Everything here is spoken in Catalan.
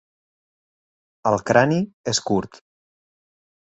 El crani és curt.